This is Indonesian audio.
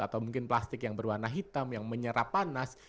atau mungkin plastik yang berwarna hitam yang menyerap panas